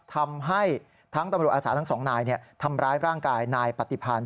ทำให้ทั้งตำรวจอาสาทั้งสองนายทำร้ายร่างกายนายปฏิพันธ์